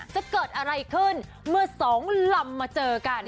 จะเกิดอะไรขึ้นเมื่อสองลำมาเจอกัน